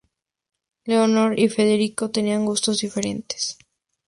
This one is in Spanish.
Leonor y Federico tenían gustos diferentes.